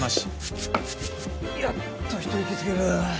やっとひと息つける。